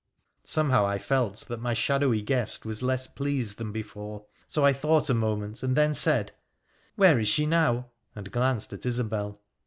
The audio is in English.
Somehow, I felt that my shadowy guest was less pleased than before, so I thought a moment and then said, ' Where is she now ?' and glanced at Isobel.